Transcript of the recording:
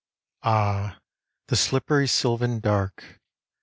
Ah, the slippery sylvan dark!